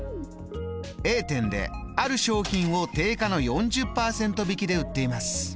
Ａ店である商品を定価の４０％引きで売っています。